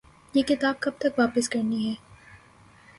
یہ کتاب کب تک واپس کرنی ہے؟